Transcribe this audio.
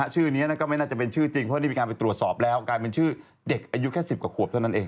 ชื่อนี้ก็ไม่น่าจะเป็นชื่อจริงเพราะได้มีการไปตรวจสอบแล้วกลายเป็นชื่อเด็กอายุแค่๑๐กว่าขวบเท่านั้นเอง